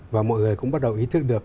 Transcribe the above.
và mọi người cũng bắt đầu ý thức được